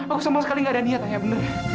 aku sama sekali gak ada niat ayah bener